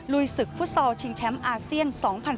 ศึกฟุตซอลชิงแชมป์อาเซียน๒๐๑๖